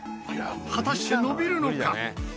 果たして伸びるのか？